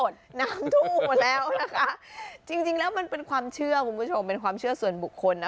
น้ำท่วมมาแล้วนะคะจริงจริงแล้วมันเป็นความเชื่อคุณผู้ชมเป็นความเชื่อส่วนบุคคลนะ